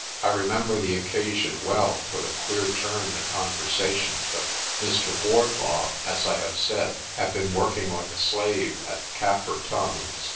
I remember the occasion well for the queer turn the conversation took. Mr. Wardlaw, as I have said, had been working like a slave at the Kaffir tongues.